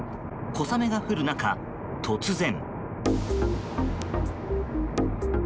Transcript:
小雨が降る中、突然。